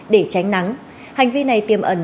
để tránh nắng hành vi này tiềm ẩn